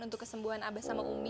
untuk kesembuhan abah sama umi